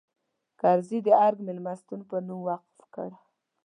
کرزي د ارګ مېلمستون په نوم وقف کړه.